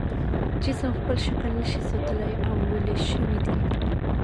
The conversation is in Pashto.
جسم خپل شکل نشي ساتلی او ویلې شوی دی.